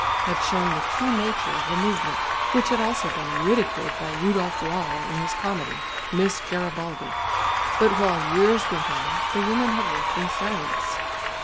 had shown the true nature of the movement, which had also been ridiculed by Rudolf Wall in his comedy, Miss Garibaldi. But while years went on, the women had worked in silence.